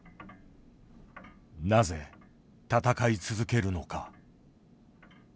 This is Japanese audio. なぜ戦い続けるのか。